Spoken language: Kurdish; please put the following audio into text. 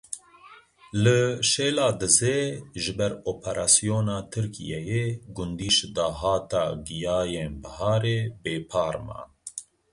Li Şêladizê ji ber operasyona Tirkiyeyê gundî ji dahata giyayên biharê bêpar man.